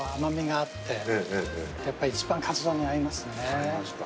合いますか。